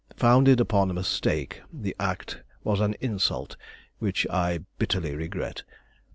Founded upon a mistake, the act was an insult which I bitterly regret.